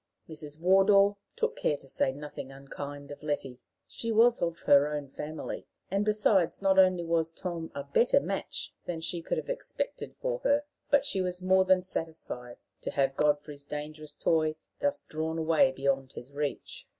Mrs. Wardour took care to say nothing unkind of Letty. She was of her own family; and, besides, not only was Tom a better match than she could have expected for her, but she was more than satisfied to have Godfrey's dangerous toy thus drawn away beyond his reach.